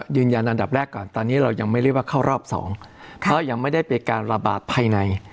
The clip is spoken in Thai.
ยืนยันอันดับแรกก่อนตอนนี้เรายังไม่เรียกว่าเข้ารอบสองเพราะยังไม่ได้เป็นการระบาดภายใน